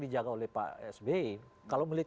dijaga oleh pak sby kalau melihat